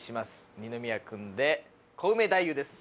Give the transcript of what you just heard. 二宮君でコウメ太夫です。